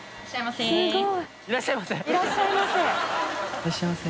「いらっしゃいませ」